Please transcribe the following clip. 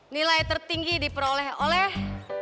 nilai tertinggi diperoleh oleh